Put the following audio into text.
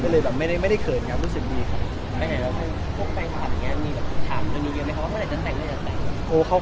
ตอนนี้อีกแต่คลิปนะคะ